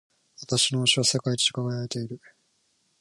私の押しは世界一輝いている。